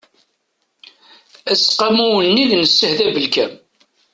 aseqqamu unnig n ṣṣehd abelkam